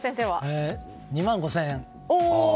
２万５０００円。